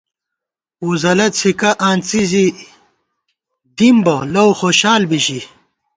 ووزَلہ څھِکہ آنڅی زی دِم بہ لؤخوشال بی ژِی